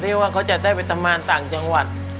ที่ว่าเขาจะได้ไปทำงานต่างจังหวัด